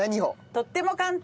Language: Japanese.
とっても簡単！